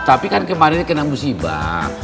tapi kan kemarin kena musibah